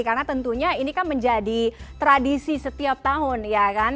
karena tentunya ini kan menjadi tradisi setiap tahun ya kan